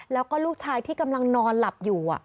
แล้วก็ลูกชายที่กำลังนอนหลับอยู่